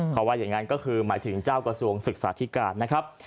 เขาว่าอย่างนั้นก็คือหมายถึงเจ้ากระทรวงศึกษาธิการนะครับ